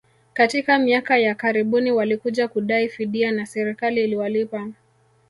katika miaka ya karibuni walikuja kudai fidia na serikali iliwalipa